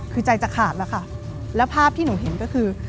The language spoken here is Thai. คือใจจะขาดแล้วค่ะแล้วภาพที่หนูเห็นก็คือ